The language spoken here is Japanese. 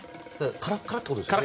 カラッカラってことですよね